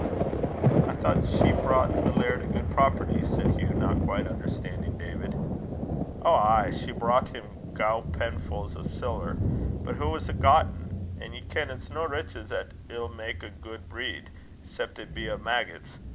"I thought she brought the laird a good property," said Hugh, not quite understanding David. "Ow, ay, she brocht him gowpenfu's o' siller; but hoo was't gotten? An' ye ken it's no riches 'at 'ill mak' a guid breed 'cep' it be o' maggots.